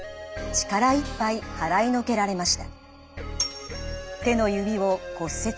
力いっぱい払いのけられました。